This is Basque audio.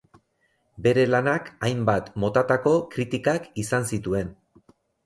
Bere lanak hainbat motatako kritikak izan zituen.